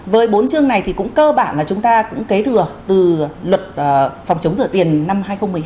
với bốn chương này thì cũng cơ bản là chúng ta cũng kế thừa từ luật phòng chống rửa tiền năm hai nghìn một mươi hai